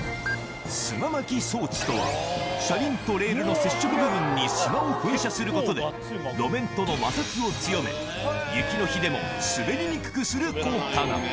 砂まき装置とは、車輪とレールの接触部分に砂を噴射することで、路面との摩擦を強め、雪の日でも滑りにくくする効果が。